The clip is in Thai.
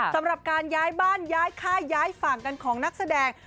สำหรับการย้ายบ้านย้ายค่ายย้ายฝั่งกันของนักแสดง